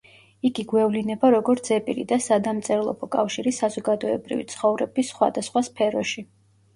იგი გვევლინება როგორც ზეპირი და სადამწერლო კავშირი საზოგადოებრივი ცხოვრების სხვადასხვა სფეროში.